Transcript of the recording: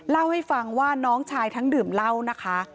เล่าให้ฟังว่าน้องชายทั้งดื่มเหล้านะคะ